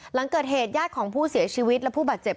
หลังเกิดเหตุญาติของผู้เสียชีวิตและผู้บาดเจ็บ